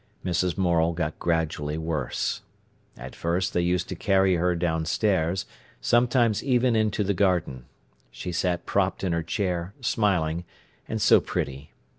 Mrs. Morel got gradually worse. At first they used to carry her downstairs, sometimes even into the garden. She sat propped in her chair, smiling, and so pretty.